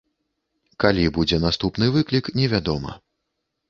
Калі будзе наступны выклік, невядома.